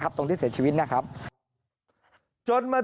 แต่ตอนนี้ติดต่อน้องไม่ได้